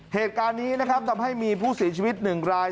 เหตุการณ์นี้นะครับทำให้มีผู้เสียชีวิต๑ราย